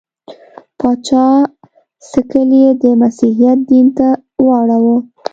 پاچا سکل یې د مسیحیت دین ته واړاوه.